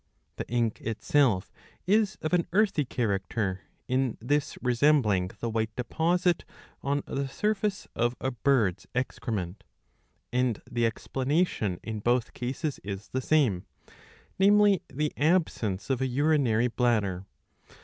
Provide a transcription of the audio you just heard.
The ink itself is of an earthy character, in this resembling the white deposit on the surface of a bird's excrement. And the explanation in both cases is the same, namely the absence of an urinary bladder.